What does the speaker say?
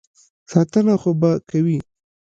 ساتنه خو به کوي.